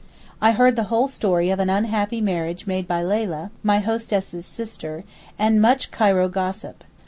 I heard the whole story of an unhappy marriage made by Leyla, my hostess's sister, and much Cairo gossip.